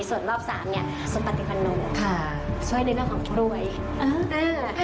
ส่วนรอบสามเนี่ยสมปัติธรรมโนค่ะช่วยด้วยเรื่องของกลวยเออเออ